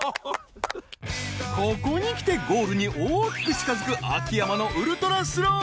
ここにきてゴールに大きく近づく秋山のウルトラスロー！